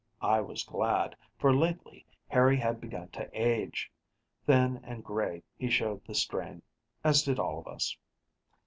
I was glad, for lately, Harry had begun to age. Thin and gray, he showed the strain as did all of us.